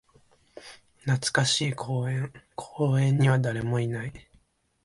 懐かしい公園。公園には誰もいない。